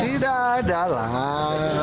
tidak ada lah